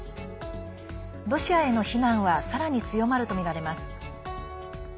ロシアへの非難はさらに強まるとみられます。